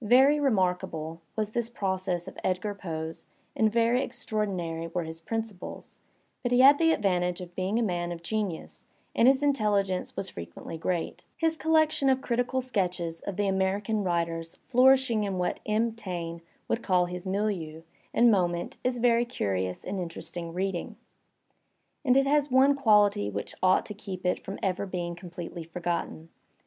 Very remarkable* was this process of Edgar Poe's and veiy extraordinary were his principles; but he had the advantage of being a man of genius and his intelligence was frequently great. His col lection of critical sketches of the American writers flourishing in what M. Taine would call his milieu and moment is very Digitized by Google 150 THE SPIRIT OF AMERICAN LITERATURE curious and interesting reading, and it has one quality which ought to keep it from ever being completely forgotten.